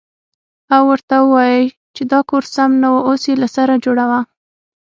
او ورته ووايې چې دا کور سم نه و اوس يې له سره جوړوه.